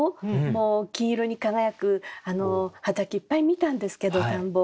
もう金色に輝く畑いっぱい見たんですけど田んぼ。